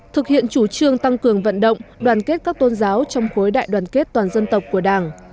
thực hiện chủ trương tăng cường vận động đoàn kết các tôn giáo trong khối đại đoàn kết toàn dân tộc của đảng